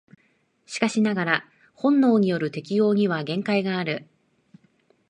しかしながら本能による適応には限界がある。